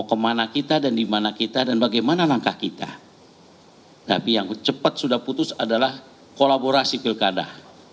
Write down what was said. kedua partai yang cepat sudah putus adalah kolaborasi pilkada